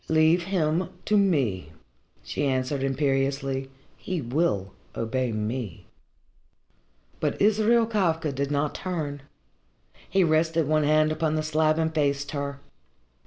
"Leave him to me," she answered imperiously. "He will obey me." But Israel Kafka did not turn. He rested one hand upon the slab and faced her.